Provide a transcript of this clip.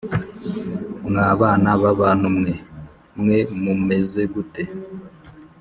Mwa bana b abantu mwese mwe mumeze gute.